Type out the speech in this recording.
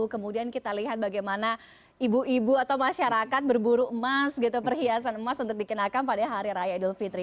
kemudian kita lihat bagaimana ibu ibu atau masyarakat berburu emas gitu perhiasan emas untuk dikenakan pada hari raya idul fitri